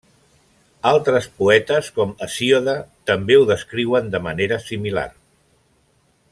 Altres poetes com Hesíode també ho descriuen de manera similar.